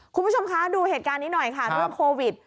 คุณผู้ชมคะดูเหตุการณ์นี้หน่อยค่ะเรื่องโควิด